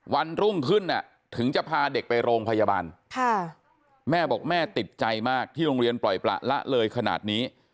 วันรุ่งขึ้นถึงจะพาเด็กไปโรงพยาบาลแม่บอกแม่ติดใจมากที่โรงเรียนปล่อยประละเลยขนาดนี้